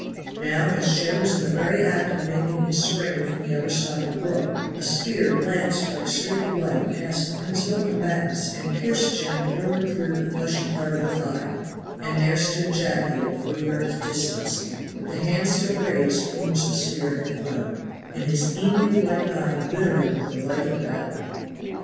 Now as Jem was in the very act of making his spring from the other side of the brook, a spear glanced like a streak of light past the principal combatants and pierced Jem through and through the fleshy part of the thigh, and there stood Jacky at forty yards' distance, with the hand still raised from which the spear had flown, and his emu like eye glittering with the light of battle.